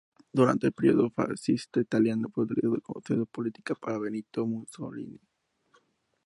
Durante el período fascista italiano, fue utilizado como sede política por Benito Mussolini.